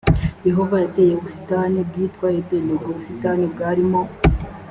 yehova yateye ubusitani bwitwa edeni ubwo busitani bwarimo